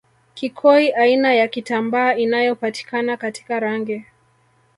kikoi aina ya kitambaa inayopatikana katika rangi